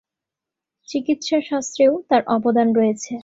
চিকিৎসা-শাস্ত্রেও তার অবদান রয়েছে।